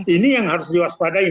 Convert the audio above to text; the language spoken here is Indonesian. ini yang harus diwaspadai